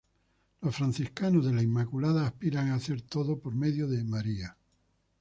Los Franciscanos de la Inmaculada aspiran a hacer todo por medio de María.